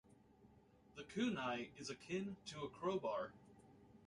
The kunai is akin to a crowbar.